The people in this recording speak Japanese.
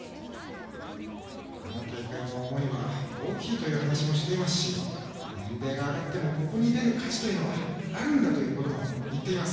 この大会の思いは大きいという話もしていますし年齢が上がってもここに出る価値はあるんだということも言っています。